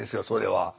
それは。